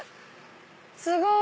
すごい！